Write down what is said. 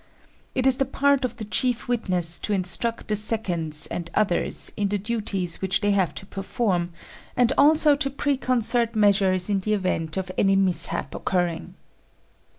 It is the part of the chief witness to instruct the seconds and others in the duties which they have to perform, and also to preconcert measures in the event of any mishap occurring.